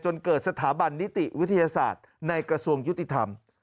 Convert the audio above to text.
จนเกิดสถาบันนิติวิทยาศาสตร์ในกระทรวงยุติธรรม